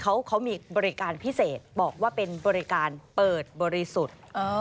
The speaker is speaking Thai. เขามีบริการพิเศษบอกว่าเป็นบริการเปิดบริสุทธิ์